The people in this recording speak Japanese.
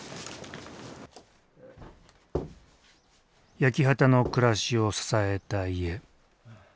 焼き畑の暮らしを支えた家。